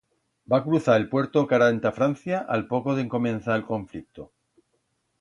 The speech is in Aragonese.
Va cruzar el puerto cara enta Francia a'l poco d'encomenzar el conflicto.